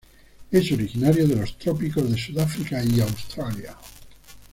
Es originario de los trópicos de Sudáfrica y Australia.